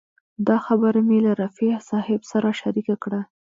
دا خبره مې له رفیع صاحب شریکه کړه.